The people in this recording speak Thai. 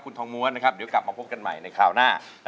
คุณทองม้วนนะครับเดี๋ยวกลับมาพบกันใหม่ในคราวหน้า